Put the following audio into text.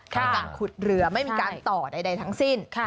มีการขุดเรือไม่มีการต่อใดทั้งสิ้น